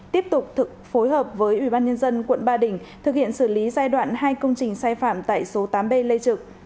tiếp tục phối hợp với ubnd quận ba đình thực hiện xử lý giai đoạn hai công trình sai phạm tại số tám b lê trực